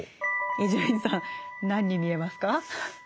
伊集院さん何に見えますか？